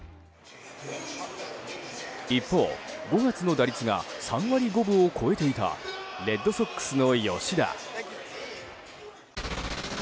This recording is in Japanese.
一方、５月の打率が３割５分を超えていたレッドソックスの吉田。